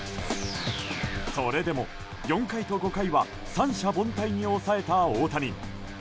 それでも４回と５回は三者凡退に抑えた大谷。